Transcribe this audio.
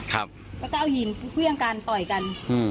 แล้วก็เอายิงเครื่องกันต่อยกันอืม